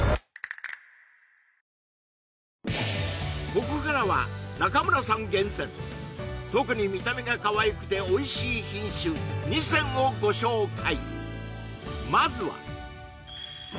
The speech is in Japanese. ここからは中村さん厳選特に見た目がかわいくておいしい品種２選をご紹介